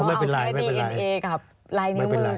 ก็ไม่เป็นไร